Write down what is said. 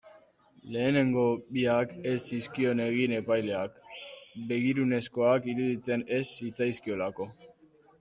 Lehenengo biak ez zizkion egin epaileak, begirunezkoak iruditzen ez zitzaizkiolako.